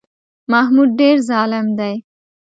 محمود ډېر ظالم دی.